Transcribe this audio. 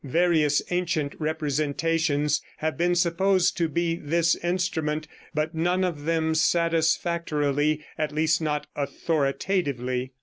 Various ancient representations have been supposed to be this instrument, but none of them satisfactorily, at least not authoritatively.